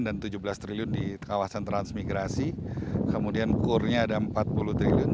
dan tujuh belas triliun di kawasan transmigrasi kemudian kurnya ada empat puluh triliun